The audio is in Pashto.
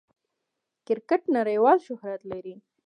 کرکټ نړۍوال شهرت لري.